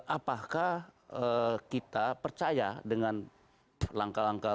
apakah kita percaya dengan langkah langkah